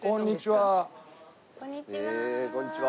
こんにちは。